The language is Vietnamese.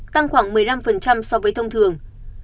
tăng khoảng một mươi năm so với thông thường